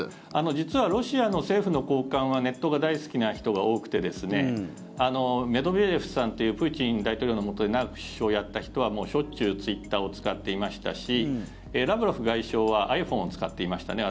実はロシアの政府の高官はネットが大好きな人が多くてメドベージェフさんというプーチン大統領のもとで長く首相をやった人はしょっちゅうツイッターを使っていましたしラブロフ外相はｉＰｈｏｎｅを使っていましたね。